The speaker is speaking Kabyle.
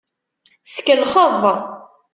Tkellxeḍ.